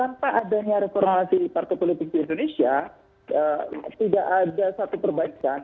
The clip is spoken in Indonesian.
tanpa adanya reformasi partai politik di indonesia tidak ada satu perbaikan